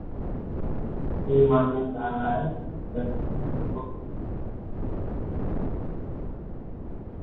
এর মানে দাড়ায় এটা সি বিবর্তনের জন্য একটি গুরুত্বপূর্ণ ভূমিকা ছিল না।